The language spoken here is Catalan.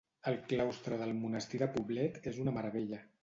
El claustre del monestir de Poblet és una meravella.